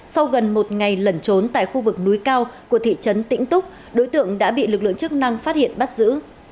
sau gần một ngày lẩn trốn tại khu vực núi cao của thị trấn tĩnh túc đối tượng đã bị lực lượng chức năng phát hiện bắt giữ